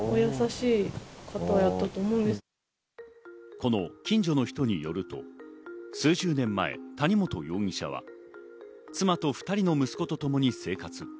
この近所の人によると、数十年前、谷本容疑者は妻と２人の息子と共に生活。